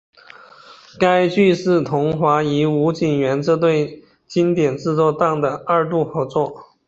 该剧是桐华与吴锦源这对经典制作档的二度合作。